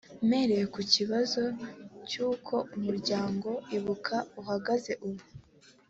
Mpereye kukibazo cy’uko umuryango Ibuka uhagaze ubu